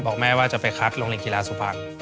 แม่ว่าจะไปคัดโรงเรียนกีฬาสุพรรณ